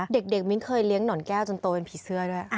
เด็กมิ้งเคยเลี้ยงหนอนแก้วจนโตเป็นผีเสื้อด้วย